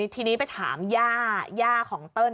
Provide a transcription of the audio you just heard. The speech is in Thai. ทีนี้ไปถามย่าย่าของเติ้ล